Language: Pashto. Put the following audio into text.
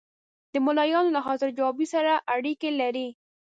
د ملایانو له حاضر جوابي سره اړیکې لري.